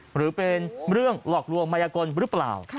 หรือเป็นเรื่องหลอกลวงมายกลหรือเปล่า